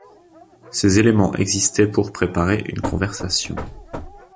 Ces éléments existaient pour preparer une conversation.